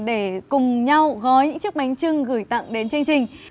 để cùng nhau gói những chiếc bánh trưng gửi tặng đến chương trình